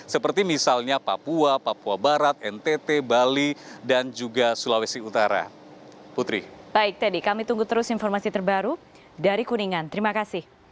seperti misalnya papua papua barat ntt bali dan juga sulawesi utara